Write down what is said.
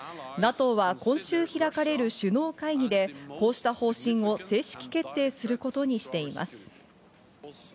ＮＡＴＯは今週開かれる首脳会議でこうした方針を正式決定することにしています。